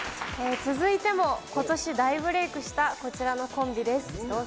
続いてもことし大ブレイクしたこちらのコンビです、どうぞ。